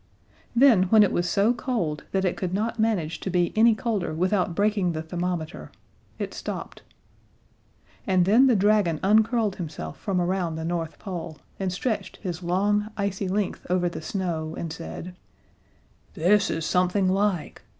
Then, when it was so cold that it could not manage to be any colder without breaking the thermometer, it stopped. And then the dragon uncurled himself from around the North Pole, and stretched his long, icy length over the snow, and said: "This is something like!